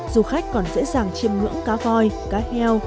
du khách còn dễ dàng chiêm ngưỡng cá voi cá heo